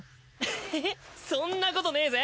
ヘヘッそんなことねえぜ。